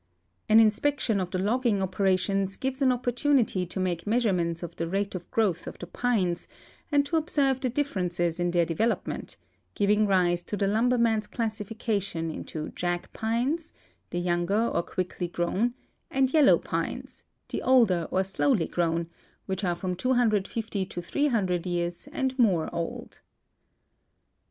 An inspection of the logging operations gives an opportunity to make measurements of the rate of growth of the pines and to observe the differences in their development, giving rise to the lumberman's classification into jack pines, the younger or quickly grown, and yellow pines, the older or slowly grown, which are from 250 to 300 years and more old.